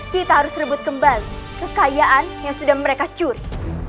kita harus rebut kembali kekayaan yang sudah mereka curi